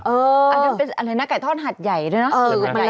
อันนั้นเป็นอะไรนะไก่ทอดหัดใหญ่ด้วยเนอะ